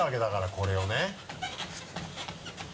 これをね。